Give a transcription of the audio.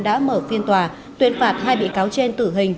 đã mở phiên tòa tuyên phạt hai bị cáo trên tử hình